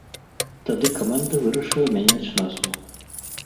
Тады каманда вырашыла мяняць назву.